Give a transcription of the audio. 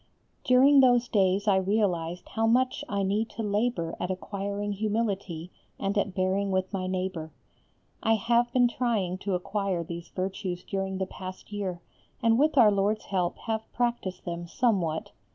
During those days I realized how much I need to labour at acquiring humility and at bearing with my neighbour. I have been trying to acquire these virtues during the past year, and with Our Lord's help have practised them somewhat.